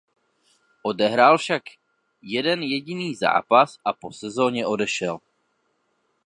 Odehrál však jeden jediný zápas a po sezoně odešel.